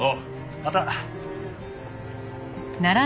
また。